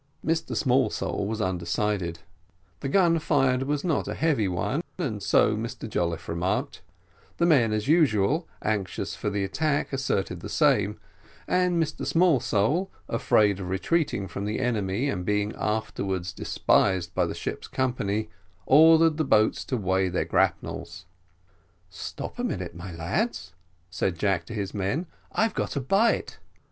Mr Smallsole was undecided; the gun fired was not a heavy one, and so Mr Jolliffe remarked; the men, as usual, anxious for the attack, asserted the same, and Mr Smallsole, afraid of retreating from the enemy, and being afterwards despised by the ship's company, ordered the boats to weigh their grapnels. "Stop a moment, my lads," said Jack to his men, "I've got a bite."